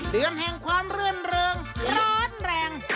เดือนแห่งความรื่นเริงร้อนแรง